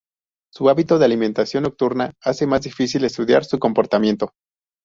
Su hábito de alimentación nocturna hace más difícil estudiar su comportamiento.